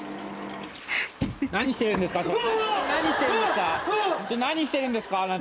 何してるんですか？